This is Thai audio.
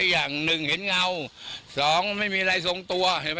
อย่างหนึ่งเห็นเงาสองไม่มีอะไรทรงตัวเห็นไหม